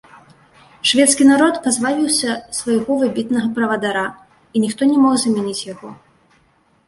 Шведскі народ пазбавіўся свайго выбітнага правадыра, і ніхто не мог замяніць яго.